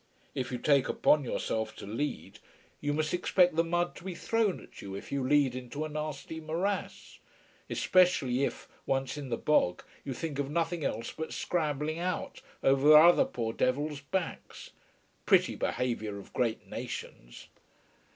If you take upon yourself to lead, you must expect the mud to be thrown at you if you lead into a nasty morass. Especially if, once in the bog, you think of nothing else but scrambling out over other poor devils' backs. Pretty behaviour of great nations!